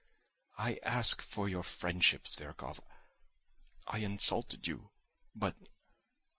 "I ask for your friendship, Zverkov; I insulted you, but